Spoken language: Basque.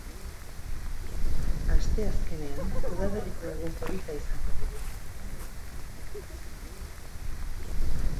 Asteazkenean udaberriko egun polita izango dugu.